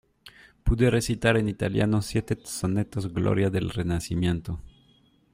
pude recitar en italiano siete sonetos gloria del Renacimiento: